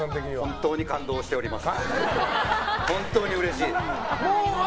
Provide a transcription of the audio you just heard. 本当に感動しております。